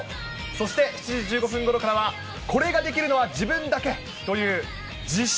そして７時１５分ごろからは、これができるのは自分だけという自称